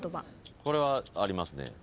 ・これはありますね。